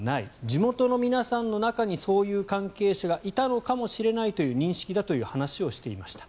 地元の皆さんの中にそういう関係者がいたのかもしれないという認識だという話をしていました。